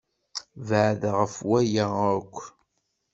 Bɛed ɣef waya akk!